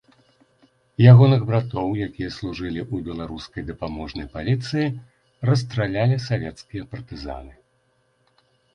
Ягоных братоў, якія служылі ў беларускай дапаможнай паліцыі, расстралялі савецкія партызаны.